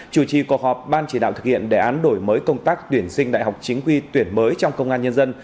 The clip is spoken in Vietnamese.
chủ trì cuộc họp ban chỉ đạo thực hiện đề án đổi mới công tác tuyển sinh đại học chính quy tuyển mới trong công an nhân dân